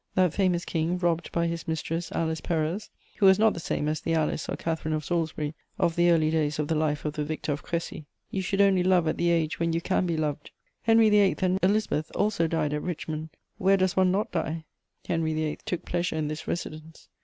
that famous King robbed by his mistress, Alice Perrers, who was not the same as the Alice or Catharine of Salisbury of the early days of the life of the victor of Crecy: you should only love at the age when you can be loved. Henry VIII. and Elizabeth also died at Richmond: where does one not die? Henry VIII. took pleasure in this residence.